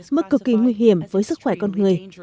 mức cực kỳ nguy hiểm với sức khỏe con người